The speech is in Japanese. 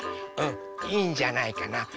うんいいんじゃないかな？